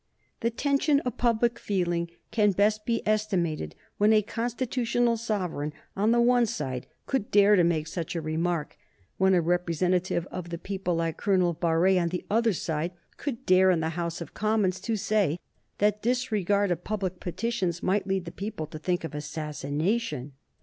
The tension of public feeling can best be estimated when a constitutional sovereign on the one side could dare to make such a remark; when a representative of the people like Colonel Barré on the other side could dare in the House of Commons to say that disregard of public petitions might lead the people to think of assassination.